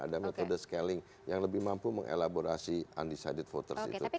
ada metode scaling yang lebih mampu mengelaborasi undecided voters itu